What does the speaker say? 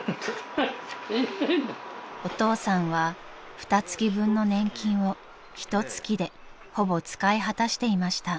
［お父さんはふた月分の年金をひと月でほぼ使い果たしていました］